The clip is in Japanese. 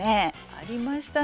ありましたね。